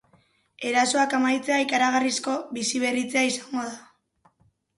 Erasoak amaitzea ikaragarrizko biziberritzea izango da.